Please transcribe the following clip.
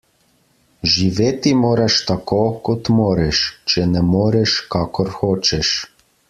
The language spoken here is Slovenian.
Živeti moraš tako, kot moreš, če ne moreš, kakor hočeš.